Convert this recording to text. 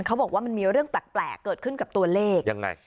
เขาบอกว่ามันมีเรื่องแปลกเกิดขึ้นกับตัวเลขยังไง